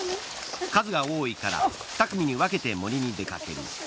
数が多いから２組に分けて森に出掛ける。